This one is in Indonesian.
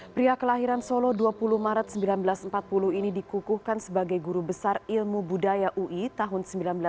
pria kelahiran solo dua puluh maret seribu sembilan ratus empat puluh ini dikukuhkan sebagai guru besar ilmu budaya ui tahun seribu sembilan ratus sembilan puluh